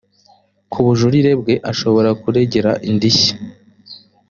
ku bujurire bwe ashobora kuregera indishyi